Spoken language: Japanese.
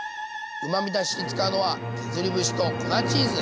うまみだしに使うのは削り節と粉チーズ。